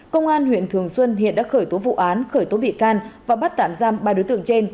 công an huyện thường xuân hiện đã khởi tố vụ án khởi tố bị can và bắt tạm giam ba đối tượng trên